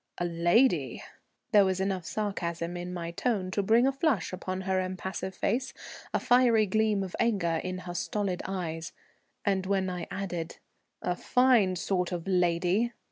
"A lady!" There was enough sarcasm in my tone to bring a flush upon her impassive face, a fierce gleam of anger in her stolid eyes; and when I added, "A fine sort of lady!"